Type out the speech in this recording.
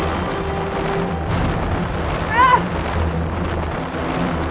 ayo kita pergi ke tempat yang lebih baik